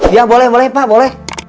dia boleh boleh pak boleh